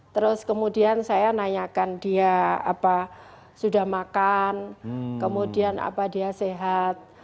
terus kemudian saya nanyakan dia sudah makan kemudian apa dia sehat